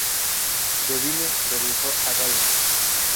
Devine regresó a Gales.